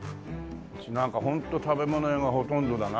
なんかホント食べ物屋がほとんどだな。